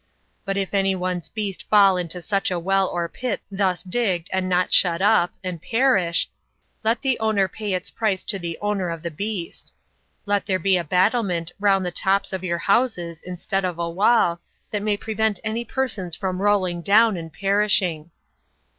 But if any one's beast fall into such a well or pit thus digged, and not shut up, and perish, let the owner pay its price to the owner of the beast. Let there be a battlement round the tops of your houses instead of a wall, that may prevent any persons from rolling down and perishing.